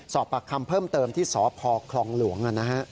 สอบปากคำเพิ่มเติมที่สพคลองหลวง